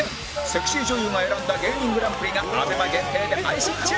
セクシー女優が選んだ芸人グランプリが ＡＢＥＭＡ 限定で配信中！